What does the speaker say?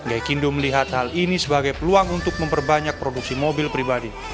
gaikindo melihat hal ini sebagai peluang untuk memperbanyak produksi mobil pribadi